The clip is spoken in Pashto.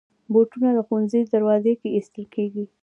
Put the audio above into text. بوټونه د ښوونځي دروازې کې ایستل کېږي.